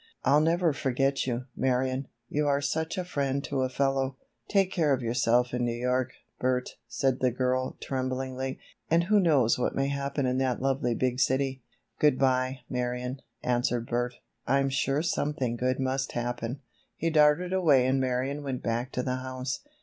I'll never forget you, Marion, you are such a friend to a fellow!" "Take care of yourself in New York, Bert," said the girl, tremblingly, "and who knows what may happen in that lovely big city?" "Good by, Marion," answered Bert, "I'm sure something good must happen." He darted away and Marion went back to the house.